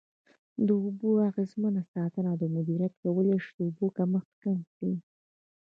د اوبو اغیزمنه ساتنه او مدیریت کولای شي د اوبو کمښت کم کړي.